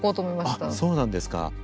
あっそうなんですか。